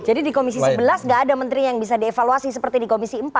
jadi di komisi sebelas gak ada menteri yang bisa dievaluasi seperti di komisi empat